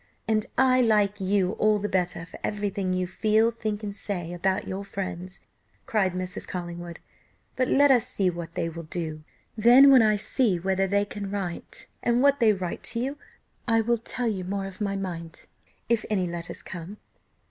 "And I like you all the better for everything you feel, think, and say about your friends," cried Mrs. Collingwood; "but let us see what they will do; when I see whether they can write, and what they write to you, I will tell you more of my mind if any letters come."